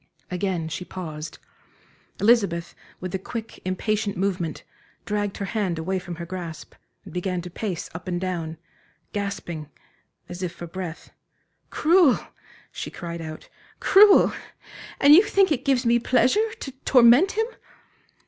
Again she paused. Elizabeth, with a quick, impatient movement, dragged her hand away from her grasp, and began to pace up and down, gasping as if for breath. "Cruel," she cried out, "cruel! And you think it gives me pleasure to torment him!"